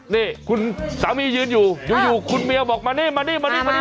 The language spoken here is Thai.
นี่คุณสามียืนอยู่อยู่คุณเมียบอกมานี่มานี่มานี่มานี่